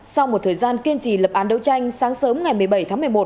sau một thời gian kiên trì lập án đấu tranh sáng sớm ngày một mươi bảy tháng một mươi một